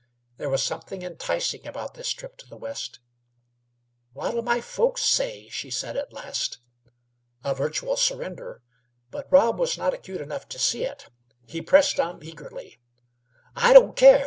There was something enticing about this trip to the West. "What'll my folks say?" she said at last. A virtual surrender, but Rob was not acute enough to see it. He pressed on eagerly: "I don't care.